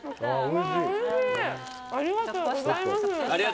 ありがとうございます。